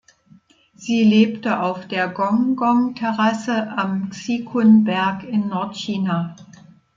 Sie lebte auf der Gonggong-Terrasse am Xikun-Berg in Nordchina.